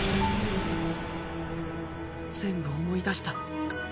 全部思い出した。